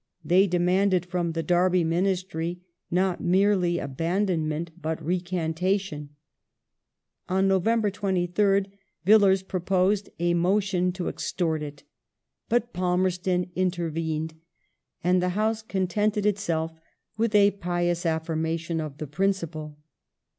They demanded from the Derby Ministry not merely abandonment but recantation. On November 23rd Villiers pro posed a motion to extort it, but Palmerston intervened, and the House contented itself with a pious affirmation of the principle.